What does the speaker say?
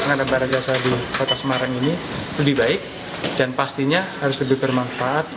pengadaan barang jasa di kota semarang ini lebih baik dan pastinya harus lebih bermanfaat